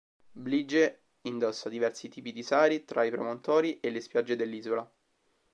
Blige indossa diversi tipi di sari tra i promontori e le spiagge dell'isola.